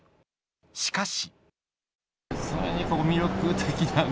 しかし。